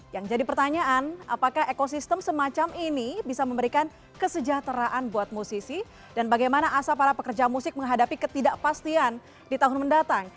yang jadi pertanyaan apakah ekosistem semacam ini bisa memberikan kesejahteraan buat musisi dan bagaimana asa para pekerja musik menghadapi ketidakpastian di tahun mendatang